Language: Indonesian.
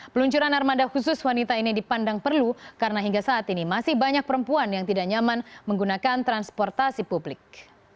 peluncuran armada khusus wanita ini dipandang perlu karena hingga saat ini masih banyak perempuan yang tidak nyaman menggunakan transportasi publik